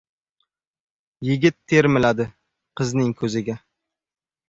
Yigit termiladi qizning ko‘ziga.